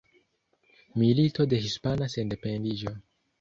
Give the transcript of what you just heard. Milito de Hispana Sendependiĝo.